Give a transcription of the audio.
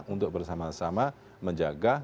untuk bersama sama menjaga